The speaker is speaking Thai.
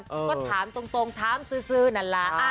ก็ถามตรงถามซื้อนั่นแหละ